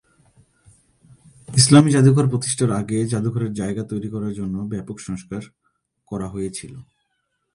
ইসলামী জাদুঘর প্রতিষ্ঠার আগে জাদুঘরের জায়গা তৈরি করার জন্য ব্যাপক সংস্কার করা হয়েছিল।